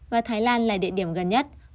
và thái lan là địa điểm gần nhất họ sẽ lựa chọn nó